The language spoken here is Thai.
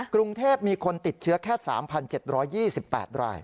กรุงเทพมีคนติดเชื้อแค่๓๗๒๘ราย